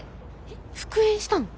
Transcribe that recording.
えっ復縁したの！？